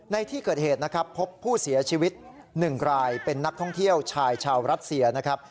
ในที่เกิดเหตุนะครับพบผู้เสียชีวิต๑รายเป็นนักท่องเที่ยวชายชาวรัสเซียนะครับ